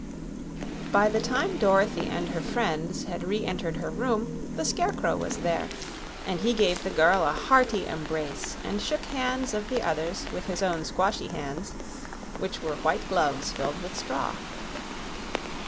By the time Dorothy and her friends had re entered her room, the Scarecrow was there, and he gave the girl a hearty embrace and shook the hands of the others with his own squashy hands, which were white gloves filled with straw.